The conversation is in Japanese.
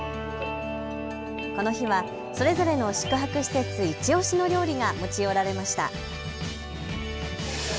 この日はそれぞれの宿泊施設いちオシの料理が持ち寄られました。